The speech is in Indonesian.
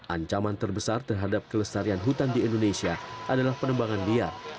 ancaman terbesar terhadap kelestarian hutan di indonesia adalah penembangan liar